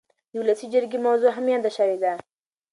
د ولسي جرګې موضوع هم یاده شوې ده.